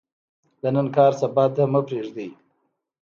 د نن کار سبا ته مه پریږدئ